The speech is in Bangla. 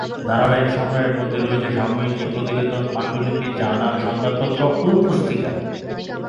ধারাবাহিক সংগ্রহের মধ্যে রয়েছে সাময়িকী, প্রতিবেদন, পাণ্ডুলিপি, জার্নাল, সংবাদপত্র ও পুস্তিকা।